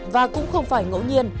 và cũng không phải ngẫu nhiên